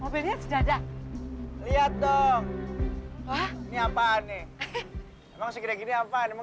mobilnya sedadak lihat dong ini apaan ini emang sekitar gini apaan